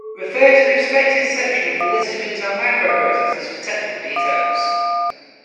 Refer to the respective section of the list of Intel microprocessors for technical details.